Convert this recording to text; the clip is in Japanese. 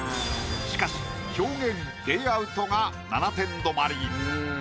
しかし表現・レイアウトが７点止まり。